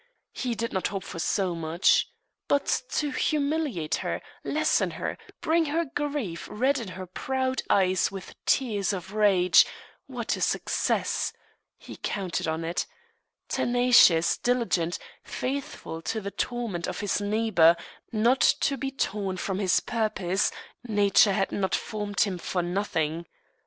He did not hope for so much; but to humiliate her, lessen her, bring her grief, redden her proud eyes with tears of rage what a success! He counted on it. Tenacious, diligent, faithful to the torment of his neighbour, not to be torn from his purpose, nature had not formed him for nothing.